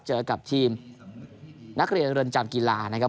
เจอกับทีมนักเรียนเรือนจำกีฬานะครับ